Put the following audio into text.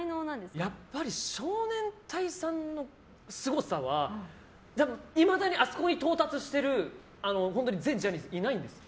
やっぱり少年隊さんのすごさはいまだにあそこに到達してる全ジャニーズでいないんですよ。